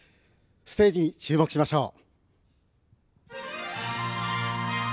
ステージに注目しましょう。